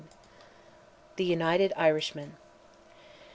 THE UNITED IRISHMEN.